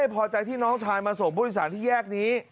ไม่พอใจที่น้องชายมาส่งพุทธศาลที่แยกนี้